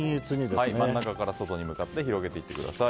真ん中から外に向かって広げてください。